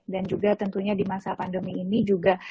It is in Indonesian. dan juga tentunya di masa pandemi ini juga